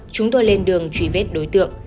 chúng tôi lên đường truy vết đối tượng